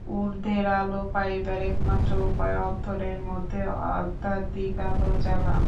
ঊর্ধ্বের আলো পাইবার একমাত্র উপায় অন্তরের মধ্যে আধ্যাত্মিক আলো জ্বালা।